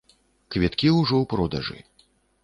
Квіткі ўжо ў продажы.